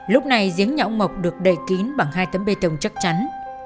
lúc này giếng nhà ông mộc được đậy kín bằng hai tấm bê tông chắc chắn